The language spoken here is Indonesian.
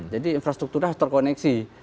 jadi infrastrukturnya harus terkoneksi